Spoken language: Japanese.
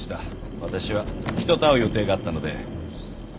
私は人と会う予定があったので。